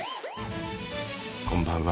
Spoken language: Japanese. こんばんは。